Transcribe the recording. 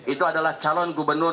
itu adalah calon gubernur